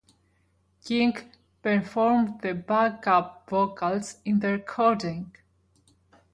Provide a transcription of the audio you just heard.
King performed the backup vocals in the recording.